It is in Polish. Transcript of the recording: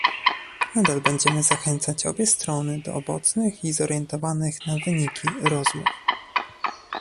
Nadal będziemy zachęcać obie strony do owocnych i zorientowanych na wyniki rozmów